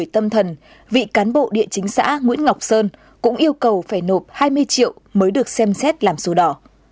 tâm thần vị cán bộ địa chính xã nguyễn ngọc sơn cũng yêu cầu phải nộp hai mươi triệu mới được xem xét làm sổ đỏ